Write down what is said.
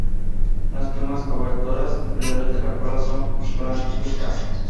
Las plumas cobertoras inferiores de la cola son blancuzcas.